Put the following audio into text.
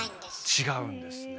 違うんですね。